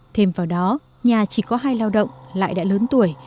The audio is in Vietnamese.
thêm vào đó nhà chỉ có hai lao động lại đã lớn tuổi